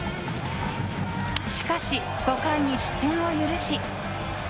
しかし、５回に失点を許し